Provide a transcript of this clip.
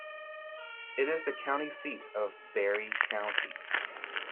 It is the county seat of Barry County.